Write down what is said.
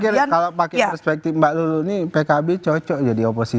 saya pikir kalau pakai perspektif mbak lulu ini pkb cocok jadi oposisi